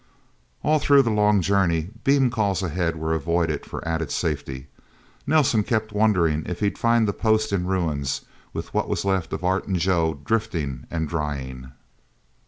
All through the long journey beam calls ahead were avoided for added safety Nelsen kept wondering if he'd find the post in ruins, with what was left of Art and Joe drifting and drying.